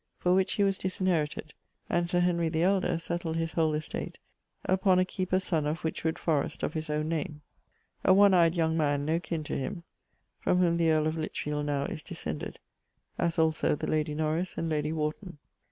For which he was disinherited, and setled his whole estate upon a keeper's sonne of Whitchwood forest of his owne name, a one eied young man, no kinne to him, from whom the earle of Lichfield now is descended, as also the lady Norris and lady Wharton.